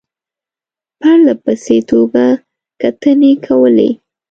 پرله پسې توګه کتنې کولې.